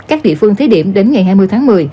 các địa phương thí điểm đến ngày hai mươi tháng một mươi